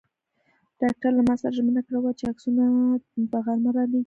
ډاکټر له ما سره ژمنه کړې وه چې عکسونه به غرمه را لېږي.